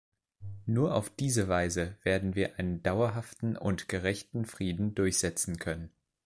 Nur auf diese Weise werden wir einen dauerhaften und gerechten Frieden durchsetzen können!